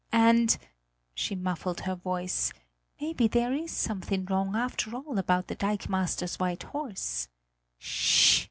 And" she muffled her voice "maybe there's something wrong after all about the dikemaster's white horse!"